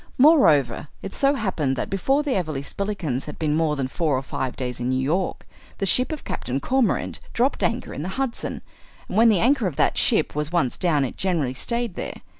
Moreover, it so happened that before the Everleigh Spillikinses had been more than four or five days in New York the ship of Captain Cormorant dropped anchor in the Hudson; and when the anchor of that ship was once down it generally stayed there.